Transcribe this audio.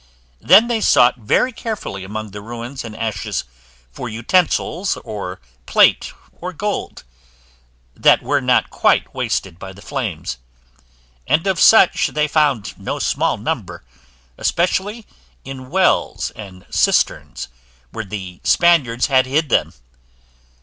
Then they sought very carefully among the ruins and ashes, for utensils of plate or gold, that were not quite wasted by the flames: and of such they found no small number, especially in wells and cisterns, where the Spaniards had hid them.